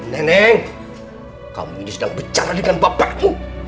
neneng kamu ini sedang berbicara dengan bapakmu